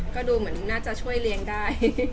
ก็ดูเหมือนจะช่วยเรียนได้